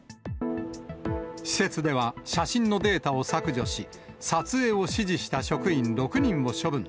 施設では、写真のデータを削除し、撮影を指示した職員６人を処分。